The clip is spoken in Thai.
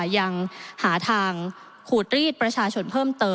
ยังหาทางขูดรีดประชาชนเพิ่มเติม